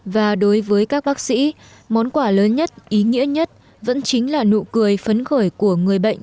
và đối với các bác sĩ món quà lớn nhất ý nghĩa nhất vẫn chính là nụ cười phấn khởi của người bệnh